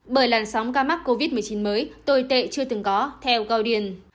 bởi làn sóng ca mắc covid một mươi chín mới tồi tệ chưa từng có theo goodian